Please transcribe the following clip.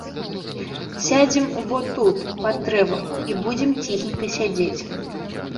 Сядзем во тут, пад дрэвам, і будзем ціхенька сядзець.